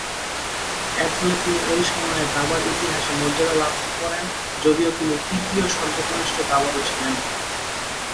এরফলে তিনি ঐ সময়ে দাবার ইতিহাসে মর্যাদা লাভ করেন যদিও তিনি তৃতীয় সর্বকনিষ্ঠ দাবাড়ু ছিলেন।